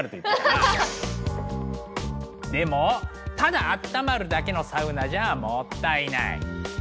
でもただあったまるだけのサウナじゃもったいない！